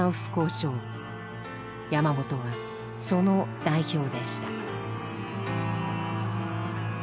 山本はその代表でした。